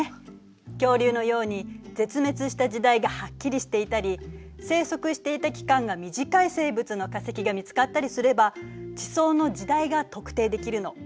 恐竜のように絶滅した時代がはっきりしていたり生息していた期間が短い生物の化石が見つかったりすれば地層の時代が特定できるの。